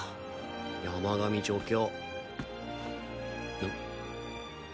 山上助教。